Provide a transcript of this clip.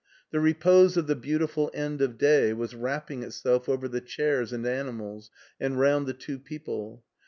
The repose of the beautiful end of day was wrapping itself over the chairs and animals and round the two people.